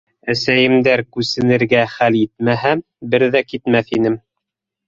Әсәйемдәр күсенергә хәл итмәһә, бер ҙә китмәҫ инем.